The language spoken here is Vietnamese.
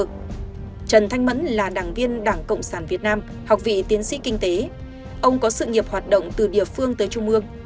trần thanh mẫn là đảng viên đảng cộng sản việt nam học vị tiến sĩ kinh tế ông có sự nghiệp hoạt động từ địa phương tới trung ương